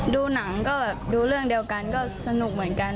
ดูหนังก็ดูเรื่องเดียวกันก็สนุกเหมือนกัน